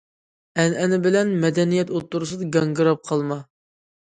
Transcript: ئەنئەنە بىلەن مەدەنىيەت ئوتتۇرىسىدا گاڭگىراپ قالما.